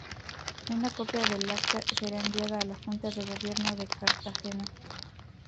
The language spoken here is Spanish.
Una copia del Acta será enviada a la Junta de Gobierno de Cartagena.